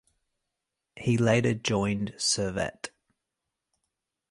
He later joined Servette.